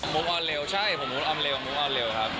ผมออนเร็วใช่ผมมุกออนเร็วมุกออนเร็วครับ